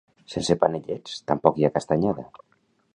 Sense panellets, tampoc hi ha Castanyada.